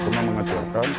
murun murun dari dahulu dahulu